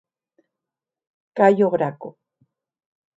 Cayo Graco.